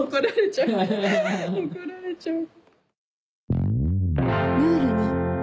怒られちゃう。